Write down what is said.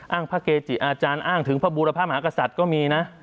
พระเกจิอาจารย์อ้างถึงพระบูรพมหากษัตริย์ก็มีนะ